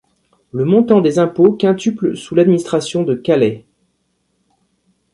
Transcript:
Le montant des impôts quintuple sous l'administration de Kállay.